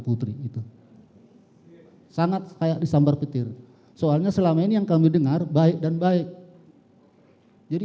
putri itu sangat kayak disambar petir soalnya selama ini yang kami dengar baik dan baik jadi